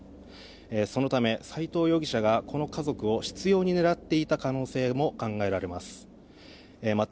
そのため斎藤容疑者がこの家族を執拗に狙っていた可能性も考えられます。